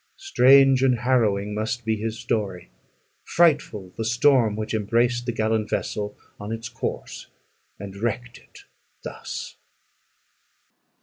Strange and harrowing must be his story; frightful the storm which embraced the gallant vessel on its course, and wrecked it thus!